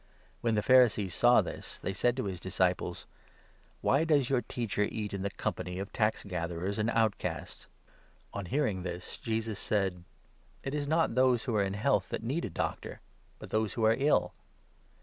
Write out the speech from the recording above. When the Pharisees saw this, they n sa"id to his disciples : "Why does your Teacher eat in the company of tax Sitherers and outcasts ?"• n hearing this, Jesus said : 12 "It is not those who are in health that need a doctor, but those who are ill.